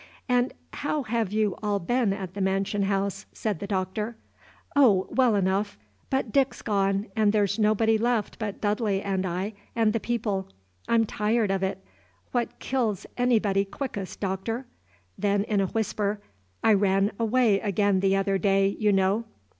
"And how have you all been at the mansion house?" said the Doctor. "Oh, well enough. But Dick's gone, and there's nobody left but Dudley and I and the people. I'm tired of it. What kills anybody quickest, Doctor?" Then, in a whisper, "I ran away again the other day, you know."